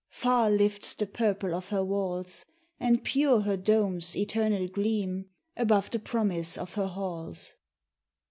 Far lifts the purple of her walls, And pure her domes eternal gleam Above the promise of her halls.